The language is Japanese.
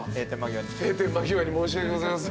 閉店間際に申し訳ございません。